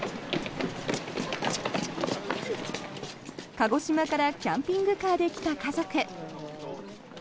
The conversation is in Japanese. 鹿児島からキャンピングカーで来た家族。